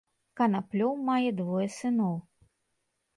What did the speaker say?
Канаплёў мае двое сыноў.